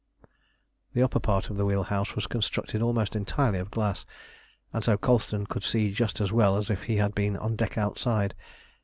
The upper part of the wheel house was constructed almost entirely of glass, and so Colston could see just as well as if he had been on deck outside.